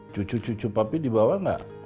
cucu cucu papi dibawa nggak